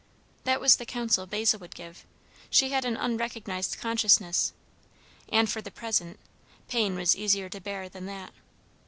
That was the counsel Basil would give, she had an unrecognised consciousness; and for the present, pain was easier to bear than that.